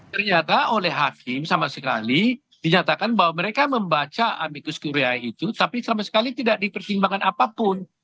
ternyata oleh hakim sama sekali dinyatakan bahwa mereka membaca amikus kuria itu tapi sama sekali tidak dipertimbangkan apapun